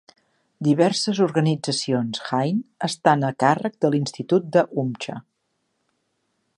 Diverses organitzacions Jain estan a càrrec de l'institut de Humcha.